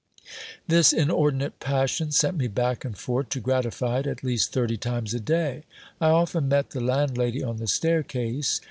This inordinate passion sent me back and fore to gratify it, at least thirty times a day. I often met the landlady on the staircase.